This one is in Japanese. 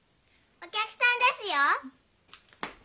・お客さんですよ。